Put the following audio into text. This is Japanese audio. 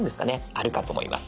あるかと思います。